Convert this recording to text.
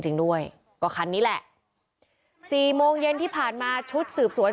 จริงด้วยก็คันนี้แหละสี่โมงเย็นที่ผ่านมาชุดสืบสวน